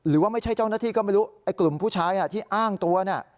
รู้ว่าไม่ใช่เจ้าหน้าที่ก็ไม่รู้กลุ่มผู้ใช้ที่อ้างตัว